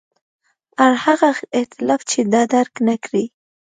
هر هغه اختلاف چې دا درک نکړي.